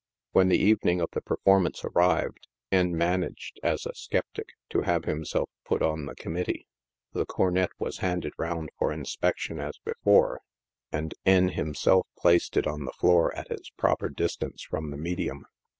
When the evening of the performance arrived, " N" managed, as a skeptic, to have himself put on the committee. The cornet was handed round for inspection as before, and " N" himself placed it on the floor at its proper distance from the medium.